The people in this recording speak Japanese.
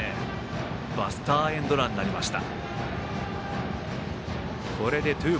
バスターエンドランになりました。